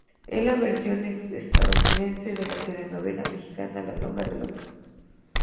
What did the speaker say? Es la versión estadounidense de la telenovela mexicana "La sombra del otro".